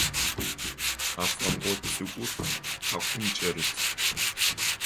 Афэмгъот цӏыкӏур хьакум кӏэрыт.